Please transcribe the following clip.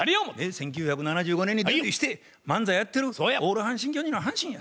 「１９７５年にデビューして漫才やってるオール阪神・巨人の阪神や。